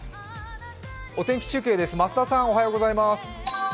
お天気中継です。